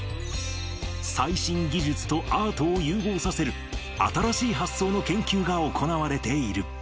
最新技術とアートを融合させる、新しい発想の研究が行われている。